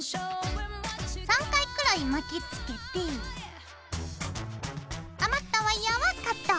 ３回くらい巻きつけて余ったワイヤーはカット。